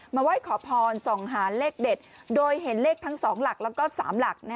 ไหว้ขอพรส่องหาเลขเด็ดโดยเห็นเลขทั้ง๒หลักแล้วก็๓หลัก